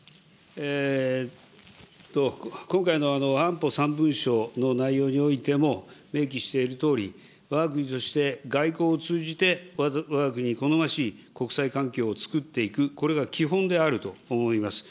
今回の安保三文書の内容においても、明記しているとおり、わが国として、外交を通じて、わが国好ましい国際環境をつくっていく、これが基本であると思います。